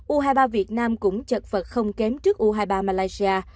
u hai mươi ba việt nam cũng chật vật không kém trước u hai mươi ba malaysia